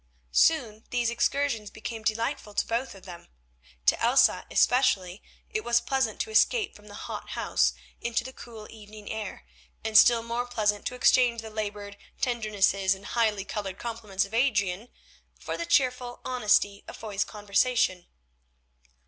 Soon those excursions became delightful to both of them. To Elsa, especially, it was pleasant to escape from the hot house into the cool evening air, and still more pleasant to exchange the laboured tendernesses and highly coloured compliments of Adrian for the cheerful honesty of Foy's conversation.